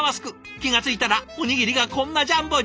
気が付いたらおにぎりがこんなジャンボに！